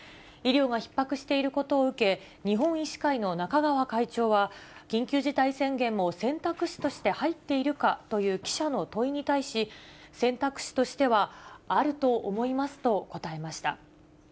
医療がひっ迫していることを受け、日本医師会の中川会長は、緊急事態宣言も選択肢として入っているかという記者の問いに対し、選択肢としてはあると思いますと答えました。